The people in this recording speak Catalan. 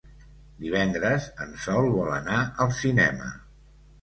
Divendres en Sol vol anar al cinema.